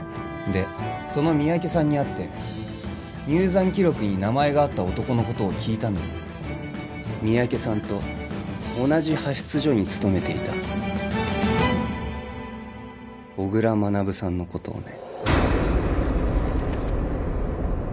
その三宅さんに会って入山記録に名前があった男のことを聞いたんです三宅さんと同じ派出所に勤めていた小倉学さんのことをね